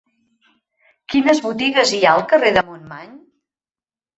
Quines botigues hi ha al carrer de Montmany?